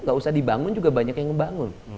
gak usah dibangun juga banyak yang ngebangun